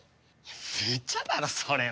むちゃだろそれは。